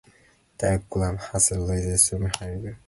This diagram has a radius of Hayesville.